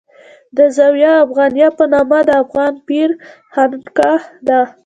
د زاویه افغانیه په نامه د افغان پیر خانقاه ده.